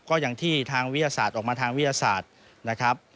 ก็อย่างที่ทางวิทยาศาสตร์ออกมาทางวิทยาศาสตร์นะครับ